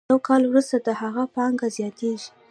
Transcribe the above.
یو کال وروسته د هغه پانګه زیاتېږي